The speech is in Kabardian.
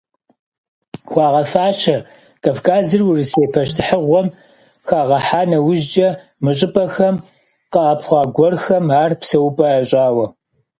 Хуагъэфащэ, Кавказыр Урысей пащтыхьыгъуэм хагъэхьа нэужькӀэ, мы щӀыпӀэхэм къэӀэпхъуа гуэрхэм ар псэупӀэ ящӀауэ.